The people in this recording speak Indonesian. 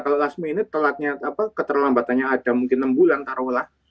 kalau last minute telatnya keterlambatannya ada mungkin enam bulan taruhlah